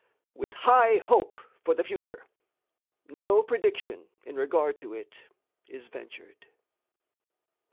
With high hope for the future, no prediction in regard to it is ventured.